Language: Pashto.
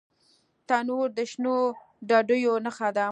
تنور د شنو ډوډیو نښه ده